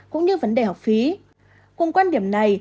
cũng như vấn đề học phí cùng quan điểm này